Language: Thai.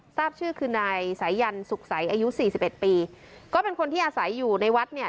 ทราบชื่อคือนายศัยยันศ์สุขสัยอายุ๔๑ปีก็เป็นคนที่อาศัยอยู่ในวัดเนี่ย